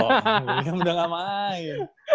william udah gak main